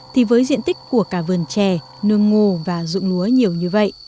thì với diện tích của cả vườn chè nương ngô và rụng lúa nhiều như vậy